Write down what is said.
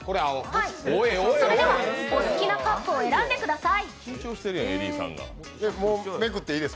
それではお好きなカップを選んでください。